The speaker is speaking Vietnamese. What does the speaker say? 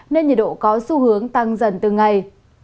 nên nhiệt độ có xu hướng tăng dần từng ngày